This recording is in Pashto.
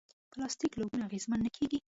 پلاستيک له اوبو نه اغېزمن نه کېږي.